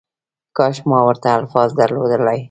کاش ما ورته الفاظ درلودلای